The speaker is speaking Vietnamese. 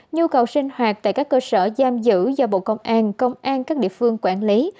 nhu cầu sinh hoạt tại các cơ sở giam giữ do bộ công an công an các địa phương quản lý